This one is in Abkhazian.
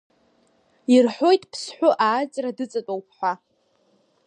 Ирҳәоит Ԥсҳәы ааҵра дыҵатәоуп ҳәа.